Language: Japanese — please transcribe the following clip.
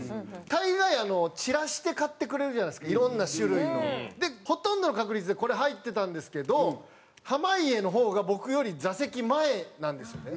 大概散らして買ってくれるじゃないですか色んな種類の。ほとんどの確率でこれ入ってたんですけど濱家の方が僕より座席前なんですよね。